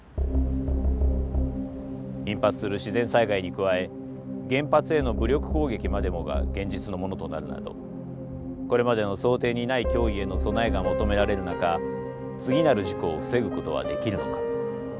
頻発する自然災害に加え原発への武力攻撃までもが現実のものとなるなどこれまでの想定にない脅威への備えが求められる中次なる事故を防ぐことはできるのか。